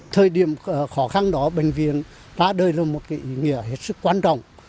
thời điểm khó khăn đó bệnh viện đã đưa ra một ý nghĩa hết sức quan trọng